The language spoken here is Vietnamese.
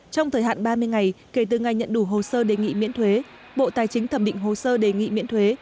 trong thời hạn ba mươi ngày kể từ ngày nhận đủ hồ sơ đề nghị miễn thuế bộ tài chính thẩm định hồ sơ đề nghị miễn thuế